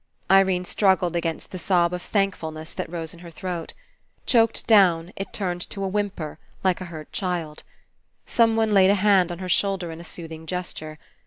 f^ Irene struggled against the sob of [ than kfulness that rose in her throat. Choked down, it turned to a whimper, like a hurt child's. Someone laid a hand on her shoulder in a soothing gesture.